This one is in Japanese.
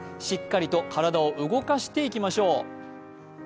しっかりと体を動かしていきましよう。